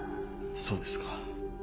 そうですか。